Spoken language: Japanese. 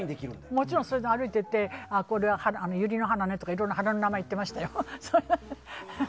もちろんね、歩いててこれはユリの花ねとかいろいろ花の名前を言ってましたよえ。